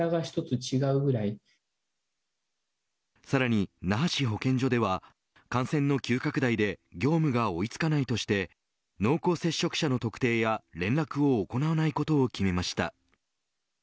さらに、那覇市保健所では感染の急拡大で業務が追いつかないとして濃厚接触者の特定や連絡を行わないことを決めました。